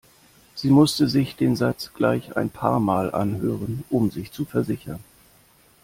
Sie musste sich den Satz gleich ein paarmal anhören, um sich zu versichern.